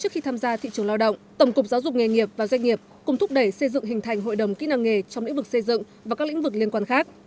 khi tham gia thị trường lao động tổng cục giáo dục nghề nghiệp và doanh nghiệp cùng thúc đẩy xây dựng hình thành hội đồng kỹ năng nghề trong lĩnh vực xây dựng và các lĩnh vực liên quan khác